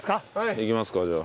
いきますかじゃあ。